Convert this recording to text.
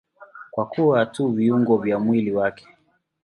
Kwa kuwa tu viungo vya mwili wake.